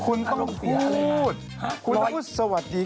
ทำไมคุณไม่พูดคำว่าสวัสดี